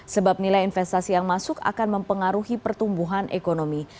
sebab nilai investasi yang masuk akan mempengaruhi pertumbuhan ekonomi